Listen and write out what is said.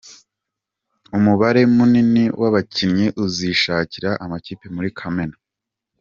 Umubare munini w’abakinnyi uzishakira amakipe muri Kamena